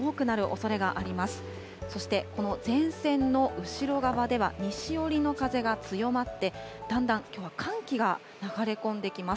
そしてこの前線の後ろ側では西寄りの風が強まって、だんだんきょうは寒気が流れ込んできます。